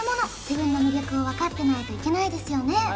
自分の魅力を分かってないといけないですよね